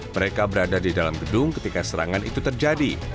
mereka berada di dalam gedung ketika serangan itu terjadi